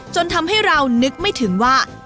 จนทำให้เรานึกไม่ถึงว่า